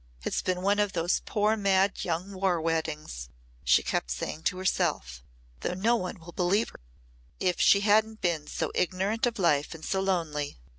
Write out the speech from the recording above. "It's been one of those poor mad young war weddings," she kept saying to herself, "though no one will believe her. If she hadn't been so ignorant of life and so lonely!